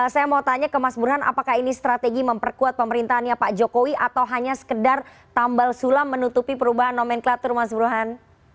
saya mau tanya ke mas burhan apakah ini strategi memperkuat pemerintahnya pak jokowi atau hanya sekedar tambal sulam menutupi perubahan nomenklatur mas burhan